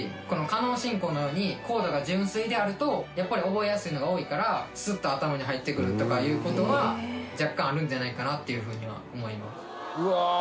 このカノン進行のようにコードが純粋であるとやっぱり覚えやすいのが多いからスッと頭に入ってくるとかいう事は若干あるんじゃないかなっていう風には思います。